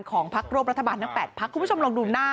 ของพักรวบรัฐบาลนึงแทบพรผู้ชมลองดูหน้า